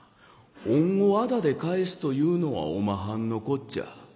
『恩を仇で返す』というのはおまはんのこっちゃ。